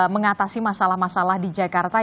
mengatasi masalah masalah di jakarta